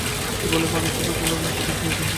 এই বলে পানের ছোপে কালো-বর্ণ মুখ প্রসারিত করে হাসলে।